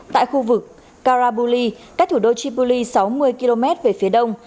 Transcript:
tại khu vực karabuli cách thủ đô tripoli sáu mươi km về phía đông